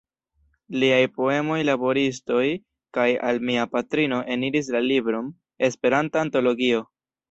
Liaj poemoj "Laboristoj" kaj "Al mia patrino" eniris la libron "Esperanta Antologio".